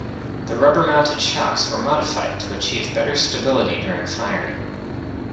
The Rubber-mounted shocks were modified to achieve better stability during firing.